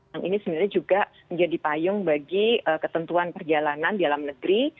yang ini sebenarnya juga menjadi payung bagi ketentuan perjalanan di dalam negeri